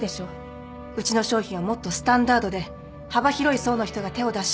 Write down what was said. うちの商品はもっとスタンダードで幅広い層の人が手を出しやすい